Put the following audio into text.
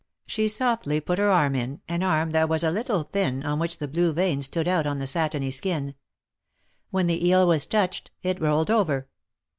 She softly put her arm in — an arm that was a little thin, on which the blue veins stood out on the satiny skin. When the eel was touched, it rolled over.